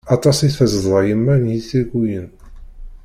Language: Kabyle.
Aṭas i tezḍa yemma n yitrikuyen.